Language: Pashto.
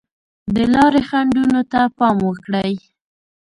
د لارې خنډونو ته پام وکړئ.